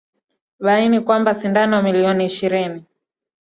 ebaini kwamba sindano milioni ishirini